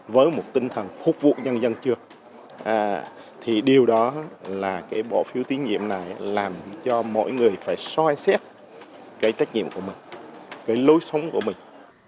với một tinh thần phục vụ nhân dân trước thì điều đó là cái bộ phiếu tiết nghiệm này làm cho mỗi người phải xoay xét cái trách nhiệm của mình cái lối sống của mình